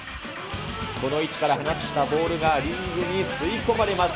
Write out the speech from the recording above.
この位置から放ったボールがリングに吸い込まれます。